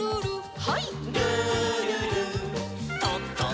はい。